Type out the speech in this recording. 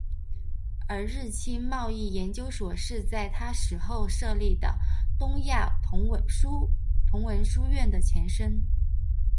而日清贸易研究所是在他死后设立的东亚同文书院的前身。